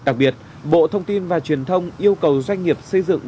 đặc biệt bộ thông tin và truyền thông yêu cầu doanh nghiệp xây dựng